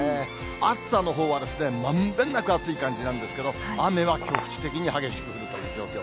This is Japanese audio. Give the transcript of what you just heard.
暑さのほうはまんべんなく暑い感じなんですけれども、雨は局地的に激しく降るという状況。